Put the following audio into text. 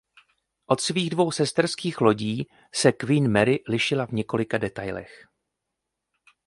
Od svých dvou sesterských lodí se "Queen Mary" lišila v několika detailech.